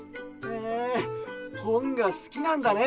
へえほんがすきなんだね。